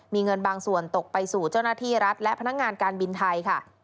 มีเงินบางส่วนตกไปสู่เจ้าหน้าที่รัฐและพนักงานการบินไทยค่ะ